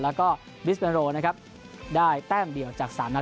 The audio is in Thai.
แล้วก็บิสเบโรนะครับได้แต้มเดียวจาก๓นัด